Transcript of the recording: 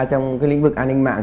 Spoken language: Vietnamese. trong cái lĩnh vực an ninh mạng